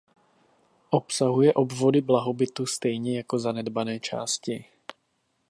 Obsahuje obvody blahobytu stejně jako zanedbané části.